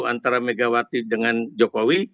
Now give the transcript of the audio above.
antara megawati dengan jokowi